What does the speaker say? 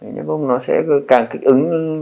nhét bông nó sẽ càng kích ứng